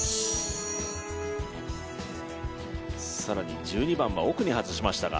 更に１２番は奥に外しましたが。